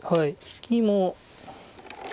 引きも。